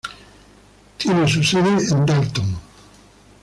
Tiene su sede en Dalton.